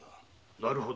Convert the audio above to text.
なるほど。